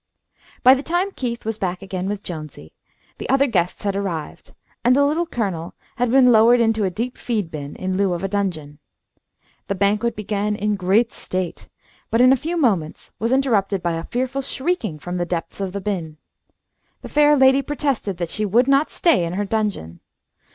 By the time Keith was back again with Jonesy, the other guests had arrived, and the Little Colonel had been lowered into a deep feed bin, in lieu of a dungeon. The banquet began in great state, but in a few moments was interrupted by a fearful shrieking from the depths of the bin. The fair ladye protested that she would not stay in her dungeon.